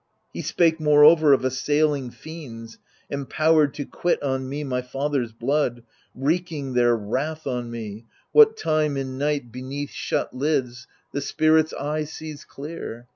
He spake moreover of assailing fiends Empowered to quit on me my father's blood, Wreaking their wrath on me, what time in night THE LIBATION BEARERS 95 Beneath shut lids the spirit's eye sees clear.